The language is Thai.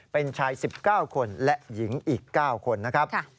เป็นชาย๑๙คนและหญิงอีก๙คนนะครับ